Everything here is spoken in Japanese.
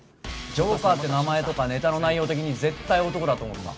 ジョーカーって名前とかネタの内容的に絶対男だと思った。